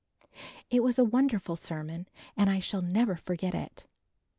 It was a wonderful sermon and I shall never forget it.